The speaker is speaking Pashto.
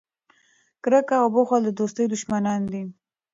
کرکه او بخل د دوستۍ دشمنان دي.